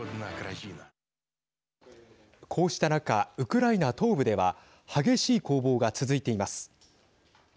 こうした中、ウクライナ東部では激しい攻防が続いています。